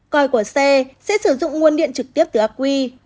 coi của xe sẽ sử dụng nguồn điện trực tiếp từ aqi